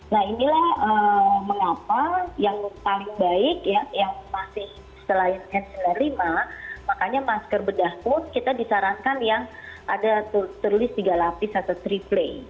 nah inilah mengapa yang paling baik yang masih selain n sembilan puluh lima makanya masker bedah pun kita disarankan yang ada terlis tiga lapis atau tiga play